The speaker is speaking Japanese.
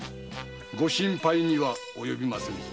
ご心配にはおよびませんぞ。